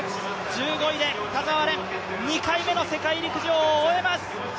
１５位で田澤廉、２回目の世界陸上を終えます。